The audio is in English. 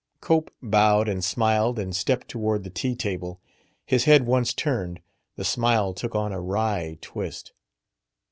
Cope bowed and smiled and stepped toward the tea table. His head once turned, the smile took on a wry twist.